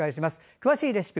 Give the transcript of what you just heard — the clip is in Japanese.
詳しいレシピ